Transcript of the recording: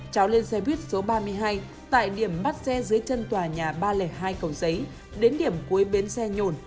cháu lên xe buýt số ba mươi hai tại điểm bắt xe dưới chân tòa nhà ba trăm linh hai cầu giấy đến điểm cuối bến xe nhồn